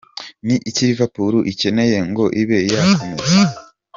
Ni iki Liverpool icyeneye ngo ibe yakomeza?.